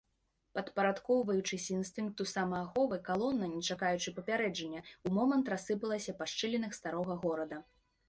Падпарадкоўваючыся інстынкту самааховы, калона, не чакаючы папярэджання, у момант рассыпалася па шчылінах старога горада.